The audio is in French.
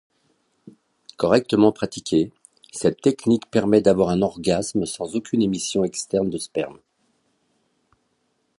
Correctement pratiquée, cette technique permet d’avoir un orgasme sans aucune émission externe de sperme.